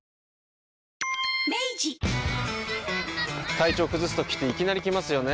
体調崩すときっていきなり来ますよね。